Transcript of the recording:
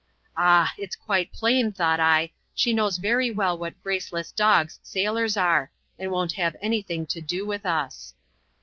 Ab! it's quite plain, thought If she knows very well what graceless dogs sail<^s are, and won't hare anj thing to do with us.